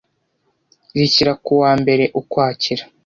rishyira ku wa mbere ukwakira